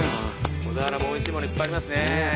小田原もおいしいものいっぱいありますね。